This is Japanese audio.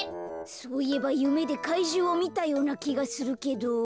そういえばゆめでかいじゅうをみたようなきがするけど。